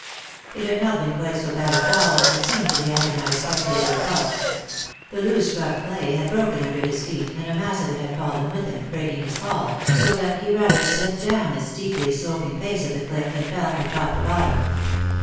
It had not been quite so bad a fall as it seemed to the agonized spectator above. The loose rough clay had broken under his feet, and a mass of it had fallen with him, breaking his fall, so that he rather slipped down the steeply sloping face of the cliff than fell from top to bottom.